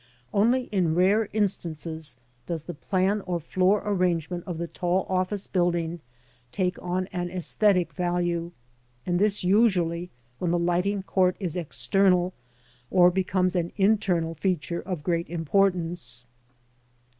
Only in rare instances does the plan or floor arrangement of the tall office building take on an aesthetic value, and this usually when the lighting court is external or becomes an internal feature of great importance.